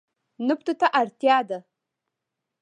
نفتو ته اړتیا ده.